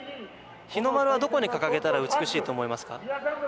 日の丸はどこに掲げたら美しいと思いますか？